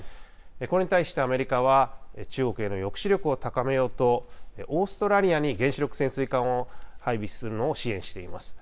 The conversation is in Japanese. これに対してアメリカは、中国への抑止力を高めようと、オーストラリアに原子力潜水艦を配備するのを支援しています。